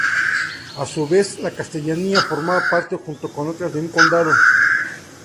A su vez, la castellanía, formaba parte, junto con otras, de un condado.